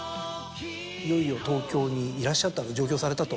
いよいよ東京にいらっしゃった上京されたと。